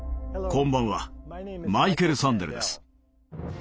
こんばんはマイケル・サンデルです。